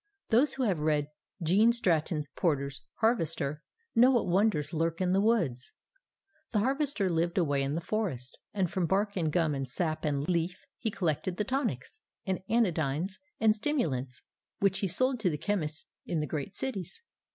Those who have read Gene Stratton Porter's Harvester know what wonders lurk in the woods. The Harvester lived away in the forest, and from bark and gum and sap and leaf he collected the tonics and anodynes and stimulants that he sold to the chemists in the great cities.